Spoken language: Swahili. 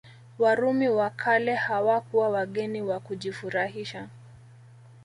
Warumi wa kale hawakuwa wageni wa kujifurahisha